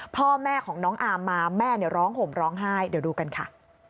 พ่อแม่ของน้องอามมาแม่เนี่ยร้องห่มร้องไห้เดี๋ยวดูกันค่ะ